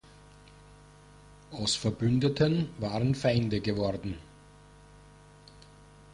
Aus Verbündeten waren Feinde geworden.